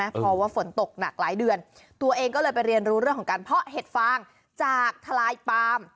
เพราะว่าฝนตกหนักหลายเดือนตัวเองก็เลยไปเรียนรู้เรื่องของการเพาะเห็ดฟางจากทลายปาล์ม